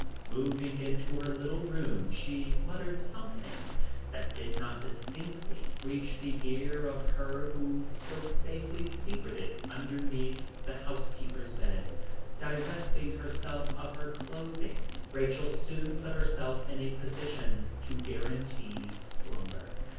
Moving into her own room, she muttered something that did not distinctly reach the ear of her who was safely secreted underneath the housekeeper's bed. Divesting herself of her clothing, Rachel soon put herself in a position to guarantee slumber.